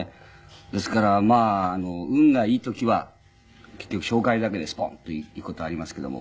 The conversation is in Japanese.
ですからまあ運がいい時は結局紹介だけでスポンといく事ありますけども。